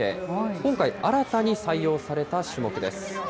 今回、新たに採用された種目です。